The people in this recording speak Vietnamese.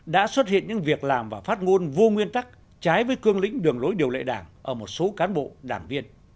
đã xuất hiện những việc làm và phát ngôn vô nguyên tắc trái với cương lĩnh đường lối điều lệ đảng ở một số cán bộ đảng viên